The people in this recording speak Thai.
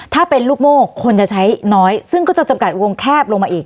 ถ้าเป็นลูกโม่คนจะใช้น้อยซึ่งก็จะจำกัดวงแคบลงมาอีก